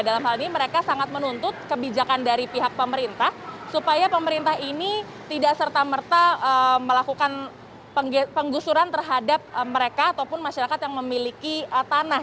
dalam hal ini mereka sangat menuntut kebijakan dari pihak pemerintah supaya pemerintah ini tidak serta merta melakukan penggusuran terhadap mereka ataupun masyarakat yang memiliki tanah